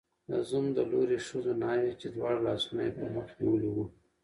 د زوم د لوري ښځو ناوې، چې دواړه لاسونه یې پر مخ نیولي وو